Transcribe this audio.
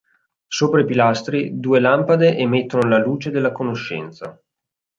Sopra i pilastri, due lampade emettono la Luce della Conoscenza.